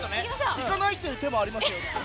行かないという手もありますけど。